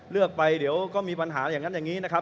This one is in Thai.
เลือกไปเดี๋ยวก็มีปัญหาอย่างนั้นอย่างนี้นะครับ